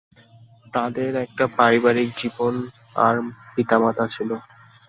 তাদের একটা পারিবারিক জীবন আর পিতামাতা ছিল।